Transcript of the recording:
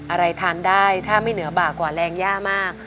อะไรทานได้ถ้าไม่เหนือบากกว่าแรงย่ามาก